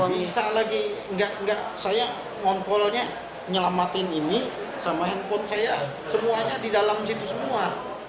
bisa lagi saya ngontrolnya nyelamatin ini sama handphone saya semuanya di dalam situ semua